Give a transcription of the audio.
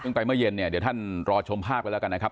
ซึ่งไปเมื่อเย็นเนี่ยเดี๋ยวท่านรอชมภาพกันแล้วกันนะครับ